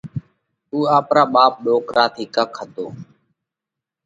اُو آپرا ٻاپ ڏوڪرا ٿِي ڪک هتو۔